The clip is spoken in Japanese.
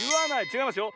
ちがいますよ。